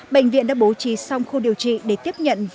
bệnh viện đã bố trí xong khu điều trị để tiếp nhận